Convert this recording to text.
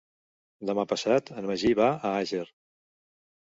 Demà passat en Magí va a Àger.